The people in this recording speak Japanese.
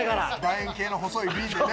楕円形の細い瓶でね。